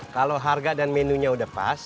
kalau harga dan menunya udah pas